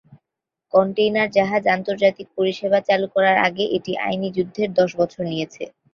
Container জাহাজ আন্তর্জাতিক পরিষেবা চালুর করার আগে এটি আইনি যুদ্ধের দশ বছর নিয়েছে।